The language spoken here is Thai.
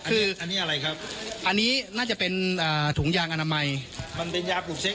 คืออันนี้อะไรครับอันนี้น่าจะเป็นถุงยางอนามัยมันเป็นยางปลูกเซ็